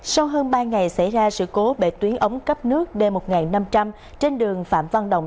sau hơn ba ngày xảy ra sự cố bệ tuyến ống cấp nước d một năm trăm linh trên đường phạm văn đồng